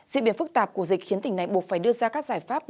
diễn biến phức tạp của dịch khiến tỉnh này buộc phải đưa ra các giải pháp